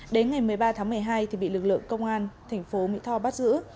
đến ngày một mươi ba tháng một mươi hai thì bị lực lượng công an thành phố mỹ tho bắt giữ